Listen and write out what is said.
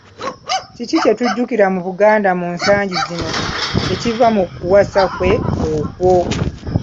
Kiki kye tujjukira mu Buganda mu nsangi zino ekiva ku kuwasa kwe okwo?